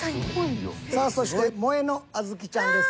さあそしてもえのあずきちゃんです。